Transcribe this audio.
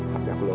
hp aku lo bet